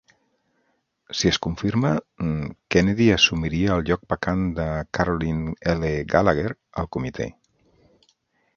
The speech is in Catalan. Si es confirma, Kennedy assumiria el lloc vacant de Carolyn L. Gallagher al comitè.